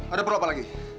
ada perlu apa lagi